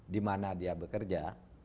di mana dia bekerja